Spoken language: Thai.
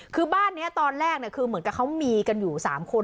คือบ้านนี้ตอนแรกคือเหมือนกับเขามีกันอยู่๓คน